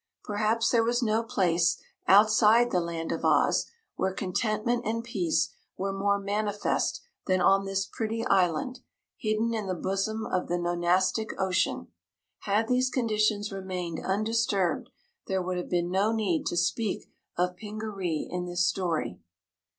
Perhaps there was no place, outside the Land of Oz, where contentment and peace were more manifest than on this pretty island, hidden in the bosom of the Nonestic Ocean. Had these conditions remained undisturbed, there would have been no need to speak of Pingaree in this story.